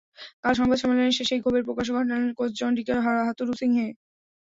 কাল সংবাদ সম্মেলনে এসে সেই ক্ষোভের প্রকাশও ঘটালেন কোচ চন্ডিকা হাথুরুসিংহে।